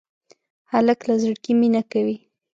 هلک له زړګي مینه کوي.